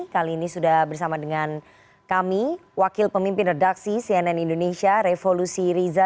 kali ini sudah bersama dengan kami wakil pemimpin redaksi cnn indonesia revolusi riza